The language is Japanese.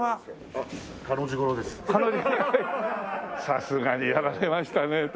さすがにやられましたね。